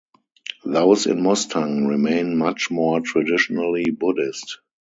Those in Mustang remain much more traditionally Buddhist.